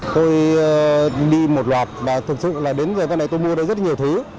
tôi đi một loạt và thực sự là đến giờ tôi mua rất nhiều thứ